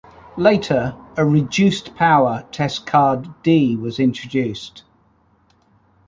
Later, a "Reduced Power" Test Card D was introduced.